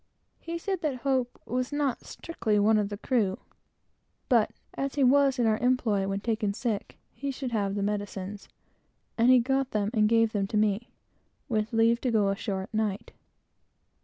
He said that Hope was not strictly one of the crew, but as he was in our employ when taken sick, he should have the medicines; and he got them and gave them to me, with leave to go ashore at night.